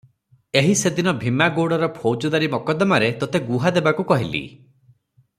ଏହି ସେଦିନ ଭୀମା ଗଉଡ଼ର ଫୌଜଦାରୀ ମକଦ୍ଦମାରେ ତୋତେ ଗୁହା ହେବାକୁ କହିଲି